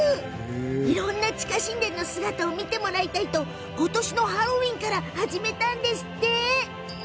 いろんな地下神殿の姿を見てもらいたいとことしのハロウィーンから始めたんですって。